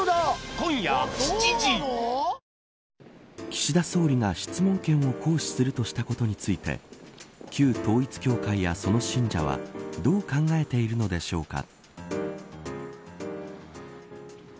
岸田総理が質問権を行使するとしたことについて旧統一教会や、その信者はどう考えているのでしょうか。